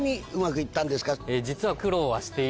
実は。